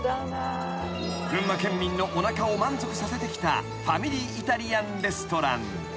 ［群馬県民のおなかを満足させてきたファミリーイタリアンレストラン］